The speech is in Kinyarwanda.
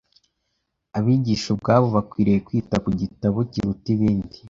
Abigisha ubwabo bakwiriye kwita ku Gitabo kiruta ibindi,